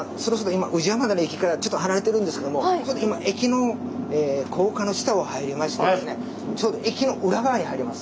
今宇治山田の駅から離れてるんですけども今駅の高架の下を入りましてちょうど駅の裏側に入ります。